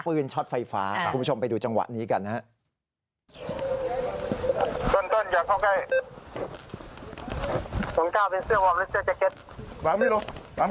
ช็อตไฟฟ้าคุณผู้ชมไปดูจังหวะนี้กันนะครับ